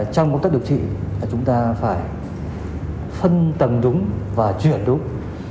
trong công tác điều trị chúng ta phải phân tầng đúng và chuyển đúng